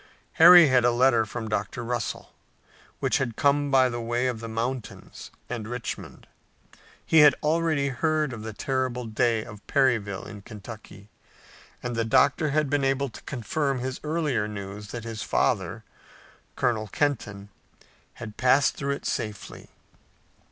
Harry had a letter from Dr. Russell, which had come by the way of the mountains and Richmond. He had already heard of the terrible day of Perryville in Kentucky, and the doctor had been able to confirm his earlier news that his father, Colonel Kenton, had passed through it safely.